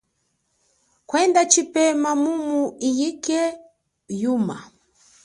Kwenda tshipema mumu unyike yuma.